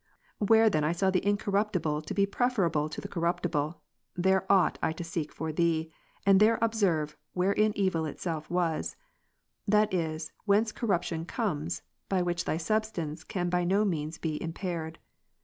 Where then I saw the incorruptible to be preferable to the corruptible, there ought I to seek for Thee, and there observe "wherein evil itself was;" that is, whence corruption comes, by which Thy substance can by no means be impaired.